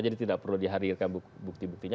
jadi tidak perlu dihadirkan bukti buktinya